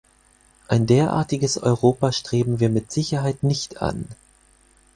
Ein derartiges Europa streben wir mit Sicherheit nicht an.